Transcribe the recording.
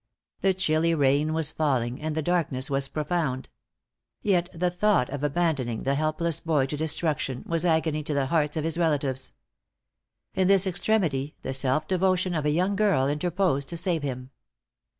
The chilly rain was falling, and the darkness was profound. Yet the thought of abandoning the helpless boy to destruction, was agony to the hearts of his relatives. In this extremity the self devotion of a young girl interposed to save him.